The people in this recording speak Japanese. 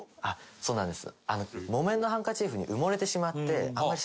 そうなんです。